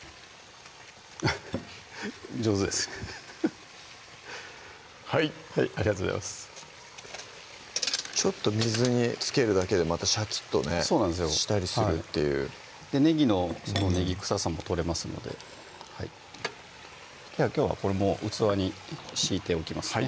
上手ですねフフフはいありがとうございますちょっと水につけるだけでまたシャキッとねしたりするっていうねぎのねぎ臭さも取れますのでではきょうはこれもう器に敷いておきますね